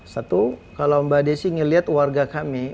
satu kalau mbak desi melihat warga kami